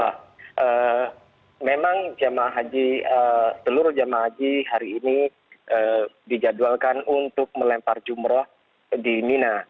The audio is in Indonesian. bapak memang jamah haji telur jamah haji hari ini dijadwalkan untuk melempar jumrah di mina